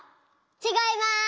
ちがいます。